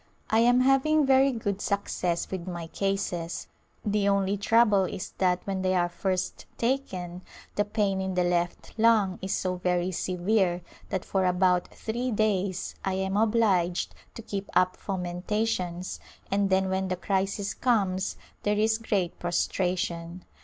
I am having very good success with my cases ; the only trouble is that when they are first taken the pain in the left lung is so very severe that for about three days I am obliged to keep up fomentations and then when the crisis comes there is great prostration.